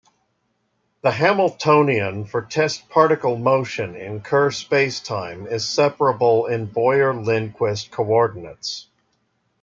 The Hamiltonian for test particle motion in Kerr spacetime is separable in Boyer-Lindquist coordinates.